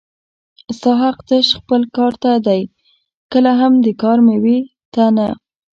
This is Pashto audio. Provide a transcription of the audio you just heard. ستا حق تش خپل کار ته دی کله هم د کار مېوې ته نه